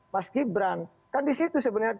mas gibran kan di situ sebenarnya